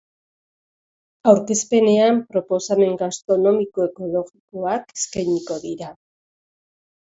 Aurkezpenean, proposamen gastronomiko ekologikoak eskainiko dira.